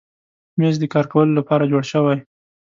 مېز د کار کولو لپاره جوړ شوی.